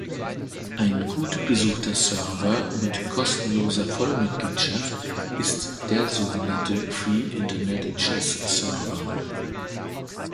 Ein gut besuchter Server mit kostenloser Vollmitgliedschaft ist der sogenannte Free Internet Chess Server.